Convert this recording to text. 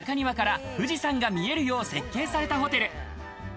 富士は、客室や中庭から富士山が見えるよう設計されたホテル。